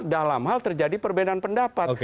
dalam hal terjadi perbedaan pendapat